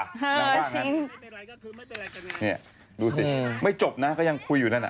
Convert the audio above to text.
น่าว่างั้นนี่ดูสิไม่จบนะก็ยังคุยอยู่นั่นอ่ะ